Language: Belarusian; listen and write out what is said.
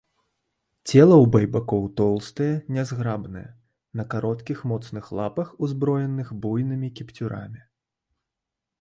Цела ў байбакоў тоўстае, нязграбнае, на кароткіх, моцных лапах, узброеных буйнымі кіпцюрамі.